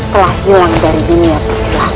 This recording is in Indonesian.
telah hilang dari dunia puskes